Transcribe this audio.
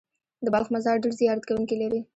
د بلخ مزار ډېر زیارت کوونکي لري.